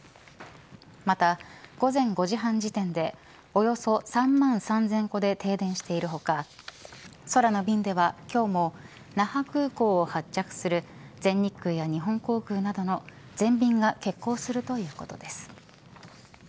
また午前５時半時点でおよそ３万３０００戸で停電している他空の便では今日も那覇空港を発着する全日空や日本航空などの全便が欠航するということです。